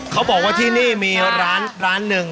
เขาบอกว่าที่นี่มีร้านหนึ่ง